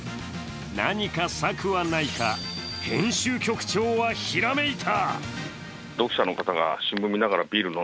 何か策はないか、編集局長はひらめいた！